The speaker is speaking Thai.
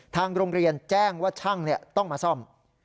ทางโรงเรียนแจ้งว่าช่างต้องมาซ่อม